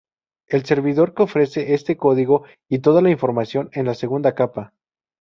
El servidor que ofrece este código y toda la información es la segunda capa.